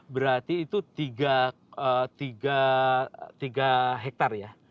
berarti itu tiga hektare ya